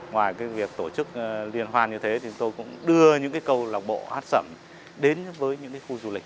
ngoài việc tổ chức liên hoàn như thế tôi cũng đưa những câu lạc bộ hát sầm đến với những khu du lịch